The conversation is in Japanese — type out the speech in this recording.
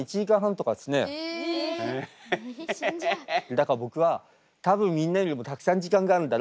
だから僕は多分みんなよりもたくさん時間があるんだ。